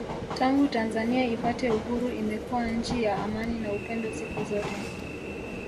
Tangu Tanzania ipate Uhuru imekuwa nchi ya amani na upendo siku zote